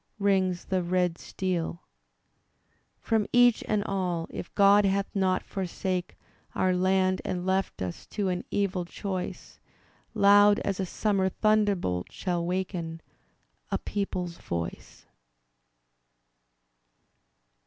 Rings the red steel — From each and all, if God hath not forsake Oiu* land and left us to an evil choice. Loud as a summer thunderbolt shall waken A people's voice.